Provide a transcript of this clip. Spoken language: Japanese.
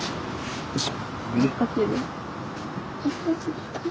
よし。